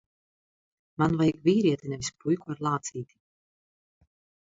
Man vajag vīrieti, nevis puiku ar lācīti.